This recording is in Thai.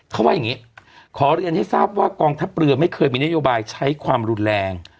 เขาว่าอย่างนี้ขอเรียนให้ทราบว่ากองทัพเรือไม่เคยมีนโยบายใช้ความรุนแรง